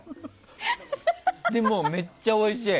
でも、めっちゃおいしい。